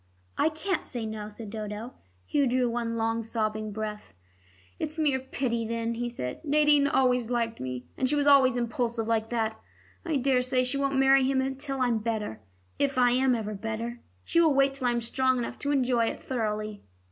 '" "I can't say 'no,'" said Dodo. Hugh drew one long sobbing breath. "It's mere pity then," he said. "Nadine always liked me, and she was always impulsive like that. I daresay she won't marry him till I'm better, if I am ever better. She will wait till I am strong enough to enjoy it thoroughly."